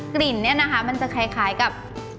กลิ่นเนี่ยนะคะมันจะคล้ายกับ